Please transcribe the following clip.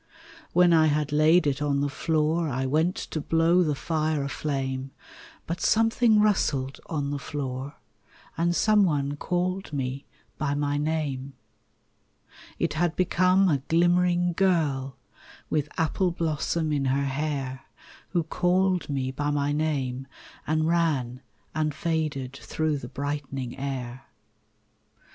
When I had laid it on the floor I went to blow the fire a flame, But something rustled on the floor, And some one called me by my name: It had become a glimmering girl With apple blossom in her hair Who called me by my name and ran And faded through the brightening air.